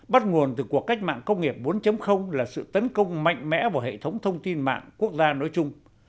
bắt nguồn từ cuộc cách mạng công nghiệp bốn là sự tấn công mạnh mẽ vào hệ thống thông tin mạng quốc gia nói chung